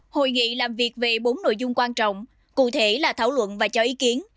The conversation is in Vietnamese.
hội nghị làm việc về bốn nội dung quan trọng cụ thể là thảo luận và cho ý kiến